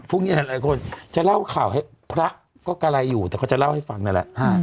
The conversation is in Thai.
หลายคนจะเล่าข่าวให้พระก็กะไรอยู่แต่ก็จะเล่าให้ฟังนั่นแหละ